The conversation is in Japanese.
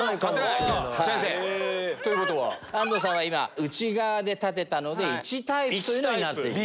安藤さんは今内側で立てたので１タイプとなっています。